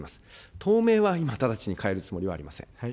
党名は今直ちに変えるつもりはありません。